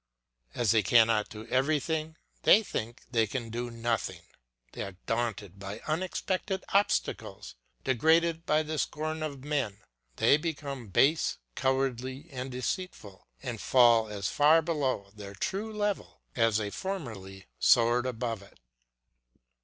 As they cannot do everything, they think they can do nothing. They are daunted by unexpected obstacles, degraded by the scorn of men; they become base, cowardly, and deceitful, and fall as far below their true level as they formerly soared above it.